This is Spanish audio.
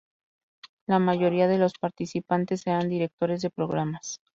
La mayoría de los participantes eran directores de programas.